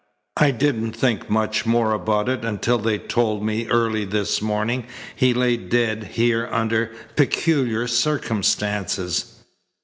I didn't think much more about it until they told me early this morning he lay dead here under peculiar circumstances."